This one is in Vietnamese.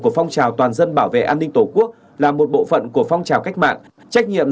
của phong trào toàn dân bảo vệ an ninh tổ quốc là một bộ phận của phong trào cách mạng trách nhiệm